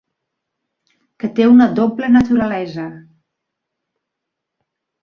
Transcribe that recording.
Que té una doble naturalesa.